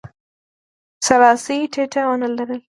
سلاسي ټیټه ونه لرله.